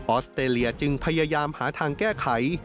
อสเตรเลียจึงพยายามหาทางแก้ไข